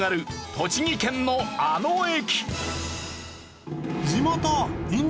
栃木県のあの駅。